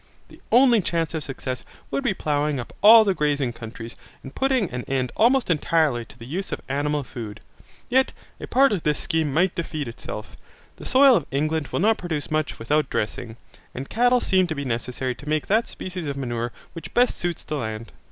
The only chance of success would be the ploughing up all the grazing countries and putting an end almost entirely to the use of animal food. Yet a part of this scheme might defeat itself. The soil of England will not produce much without dressing, and cattle seem to be necessary to make that species of manure which best suits the land.